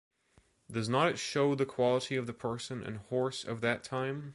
Does not it show the quality of the person and horse of that time.